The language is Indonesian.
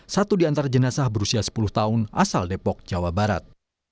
satu di antara jenazah berusia sepuluh tahun asal depok jawa barat